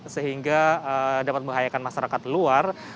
sehingga dapat membahayakan masyarakat luar